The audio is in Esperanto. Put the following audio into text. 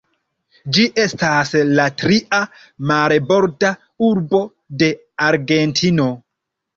Ĝi estas la tria marborda urbo de Argentino.